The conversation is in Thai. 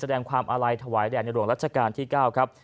แสดงความอาลัยถวายแด่ในหลวงรัชกาลที่๙ครับ